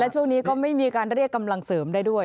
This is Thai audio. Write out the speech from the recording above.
ช่วงนี้ก็ไม่มีการเรียกกำลังเสริมได้ด้วย